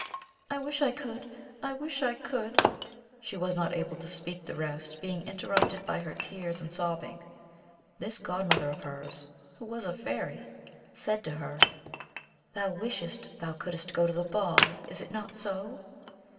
"I wish I could , I wish I could ;" she was not able to speak the rest, being interrupted by her tears and sobbing. This godmother of hers, who was a Fairy, said to her: "Thou wishest thou couldest go to the ball, is it not so?"